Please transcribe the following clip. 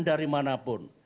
dari mana pun